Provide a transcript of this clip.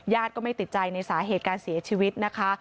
ก็ไม่ติดใจในสาเหตุการเสียชีวิตนะคะ